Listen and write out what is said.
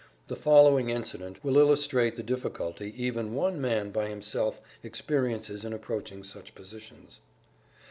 The following incident will illustrate the difficulty even one man by himself experiences in approaching such positions.